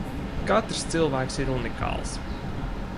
Katrs cilvēks ir unikāls.